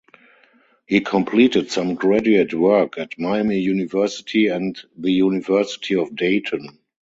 He completed some graduate work at Miami University and the University of Dayton.